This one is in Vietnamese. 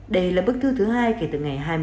đây là bức thư thứ hai kể từ ngày năm tháng bốn